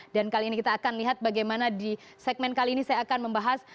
dan kali ini kita akan lihat bagaimana di segmen kali ini saya akan membahas